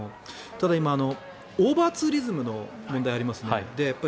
ただ、今、オーバーツーリズムの問題がありますね。